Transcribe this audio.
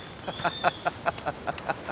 ハハハハ。